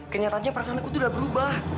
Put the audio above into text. kenyataannya perasaan aku tuh udah berubah